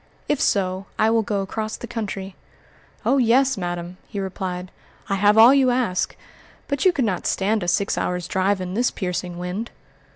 If so, I will go across the country." "Oh, yes, madam!" he replied, "I have all you ask; but you could not stand a six hours' drive in this piercing wind."